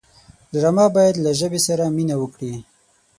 ډرامه باید له ژبې سره مینه وکړي